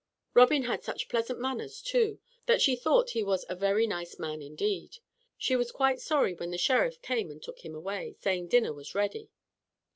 Robin had such pleasant manners too, that she thought he was a very nice man indeed. She was quite sorry when the Sheriff came and took him away, saying dinner was ready.